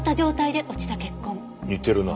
似てるな。